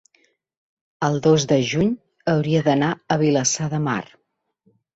el dos de juny hauria d'anar a Vilassar de Mar.